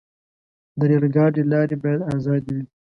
د ریل ګاډي لارې باید آزادې وي.